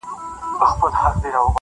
انسانيت بايد وساتل سي تل-